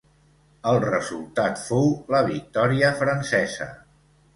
El resultat fou la victòria francesa.